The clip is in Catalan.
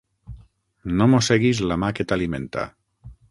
No mosseguis la mà que t'alimenta.